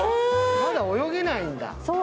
まだ泳げないんだ。